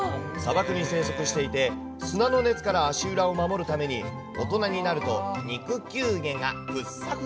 砂漠に生息していて、砂の熱から足裏を守るために大人になると肉球毛がふっさ